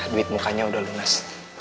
duit mukanya udah lunas